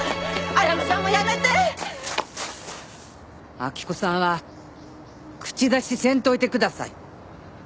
明子さんは口出しせんといてください。